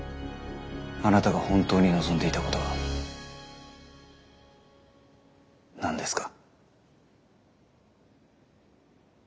あなたが本当に望んでいたことは何ですか？